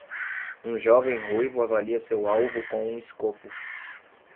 Um jovem ruivo avalia seu alvo com um escopo.